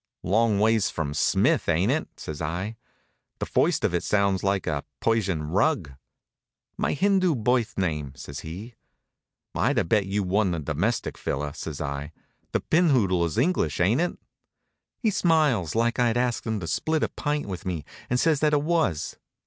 "Long ways from Smith, ain't it?" says I. "The first of it sounds like a Persian rug." "My Hindu birth name," says he. "I'd have bet you wa'n't a domestic filler," says I. "The Pinphoodle is English, ain't it?" He smiles like I'd asked him to split a pint with me, and says that it was.